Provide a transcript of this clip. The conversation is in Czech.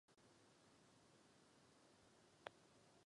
Z tohoto důvodu jsme pro založení Evropského technologického institutu.